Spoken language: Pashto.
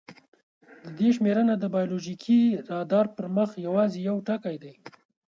د دې شمېرنه د بایولوژیکي رادار پر مخ یواځې یو ټکی دی.